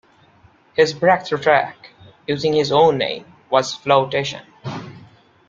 His breakthrough track, using his own name, was "Flowtation".